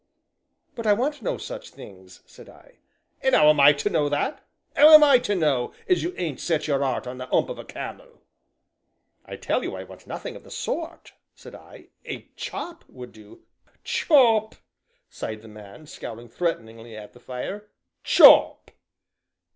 "But I want no such things," said I. "And 'ow am I to know that 'ow am I to know as you ain't set your 'eart on the 'ump of a cam el?" "I tell you I want nothing of the sort," said I, "a chop would do " "Chop!" sighed the man, scowling threateningly at the fire, "chop!"